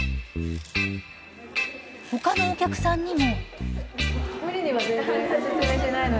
他のお客さんにも。